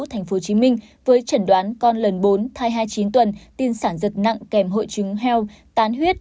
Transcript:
tp hcm với chẩn đoán con lần bốn thai hai mươi chín tuần tiên sản giật nặng kèm hội chứng heo tán huyết